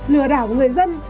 lừa đảo người dân